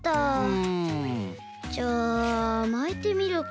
うん。じゃあまいてみるか。